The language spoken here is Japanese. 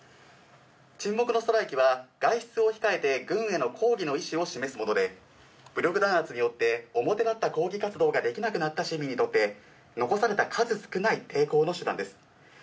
沈黙のストライキは外出を控えて軍への抗議の意思を示すもので、武力弾圧によって表だった抗議活動ができなくなった市民にとって残された数少ない抵抗の手段です。